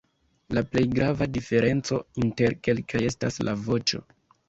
La plej grava diferenco inter kelkaj estas la voĉo.